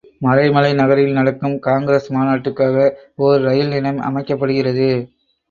மறைமலை நகரில் நடக்கும் காங்கிரஸ் மாநாட்டுக்காக ஓர் இரயில் நிலையம் அமைக்கப்படுகிறது.